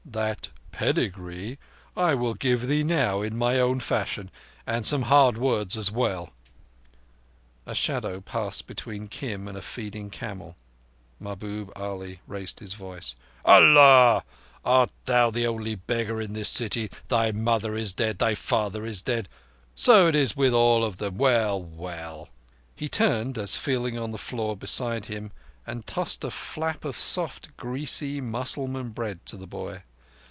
"That pedigree I will give thee now—in my own fashion and some hard words as well." A shadow passed behind Kim, and a feeding camel. Mahbub Ali raised his voice. "Allah! Art thou the only beggar in the city? Thy mother is dead. Thy father is dead. So is it with all of them. Well, well—" He turned as feeling on the floor beside him and tossed a flap of soft, greasy Mussalman bread to the boy.